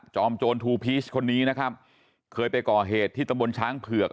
โจรทูพีชคนนี้นะครับเคยไปก่อเหตุที่ตะบนช้างเผือก